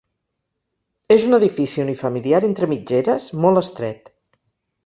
És un edifici unifamiliar entre mitgeres, molt estret.